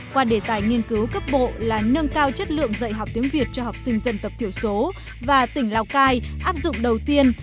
qua đề tài nghiên cứu cấp bộ là nâng cao chất lượng dạy học tiếng việt cho học sinh dân tộc thiểu số và tỉnh lào cai áp dụng đầu tiên